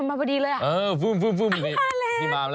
มาพอดีเลยเออฟึ่ม